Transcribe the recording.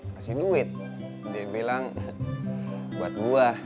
kasih duit dia bilang buat buah